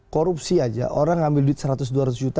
korupsi aja orang ngambil duit seratus dua ratus juta